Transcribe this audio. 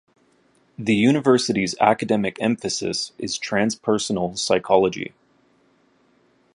The university's academic emphasis is transpersonal psychology.